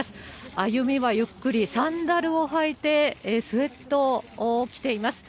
歩みはゆっくり、サンダルをはいて、スウェットを着ています。